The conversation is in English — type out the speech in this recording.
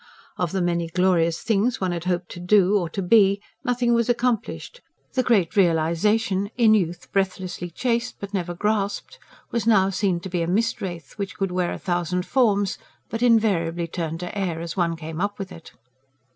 Of the many glorious things one had hoped to do or to be nothing was accomplished: the great realisation, in youth breathlessly chased but never grasped, was now seen to be a mist wraith, which could wear a thousand forms, but invariably turned to air as one came up with it.